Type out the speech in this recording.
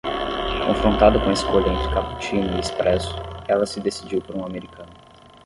Confrontada com a escolha entre cappuccino e espresso, ela se decidiu por um americano.